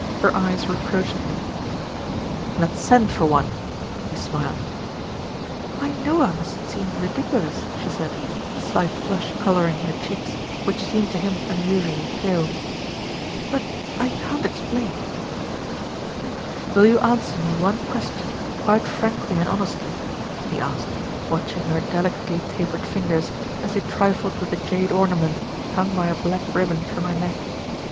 Her eyes reproached him. "Let's send for one," he smiled. "I know I must seem ridiculous," she said, a slight flush colouring her cheeks, which seemed to him un usually pale; "but I can't explain." "Will you answer me one question quite frankly and honestly?" he asked, watching her delicately tapered fingers as they trifled with the jade ornament hung by a black ribbon from her neck.